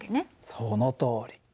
そのとおり。